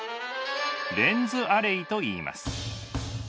レンズアレイといいます。